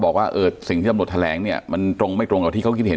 บอกว่าสิ่งที่ตำรวจแถลงเนี่ยมันตรงไม่ตรงกับที่เขาคิดเห็น